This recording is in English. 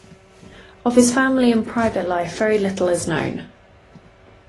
Of his family and private life very little is known.